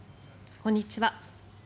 こんにちは。